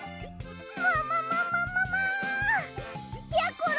もももももも！やころ